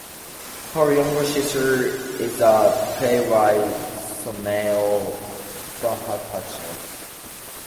Her younger sister is the playwright Sonali Bhattacharyya.